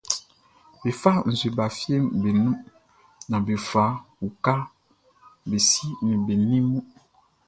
Be fa nzue ba fieʼm be nun naan be fa uka be si ni be ni mun.